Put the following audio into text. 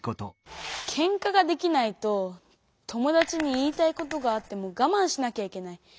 ケンカができないと友だちに言いたいことがあってもがまんしなきゃいけない。